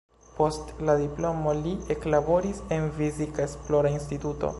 Post la diplomo li eklaboris en fizika esplora instituto.